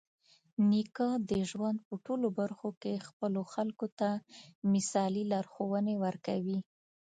نیکه د ژوند په ټولو برخه کې خپلو خلکو ته مثالي لارښوونې ورکوي.